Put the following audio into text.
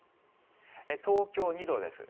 東京２度です。